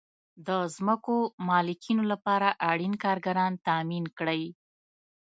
د ځمکو مالکینو لپاره اړین کارګران تامین کړئ.